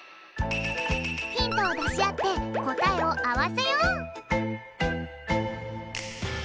ヒントをだしあってこたえをあわせよう！